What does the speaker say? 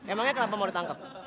emangnya kenapa mau ditangkep